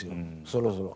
そろそろ。